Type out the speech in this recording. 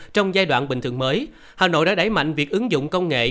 trong giai đoạn bình thường mới hà nội đã đẩy mạnh việc ứng dụng công nghệ